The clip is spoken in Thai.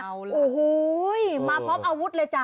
โอ้โหมาพร้อมอาวุธเลยจ้